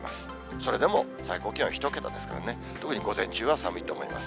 それでも最高気温１桁ですからね、特に午前中は寒いと思います。